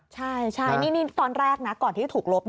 ใช่นี่ตอนแรกนะก่อนที่จะถูกลบ